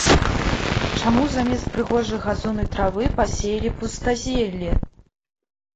Чаму замест прыгожай газоннай травы пасеялі пустазелле?